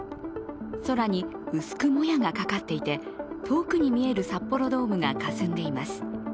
空に薄くもやがかかっていて遠くに見える札幌ドームがかすんでいます。